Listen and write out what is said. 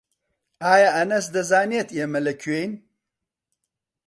ئایا ئەنەس دەزانێت ئێمە لەکوێین؟